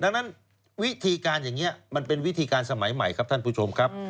ดังนั้นวิธีการอย่างนี้มันเป็นวิธีการสมัยใหม่ครับท่านผู้ชมครับ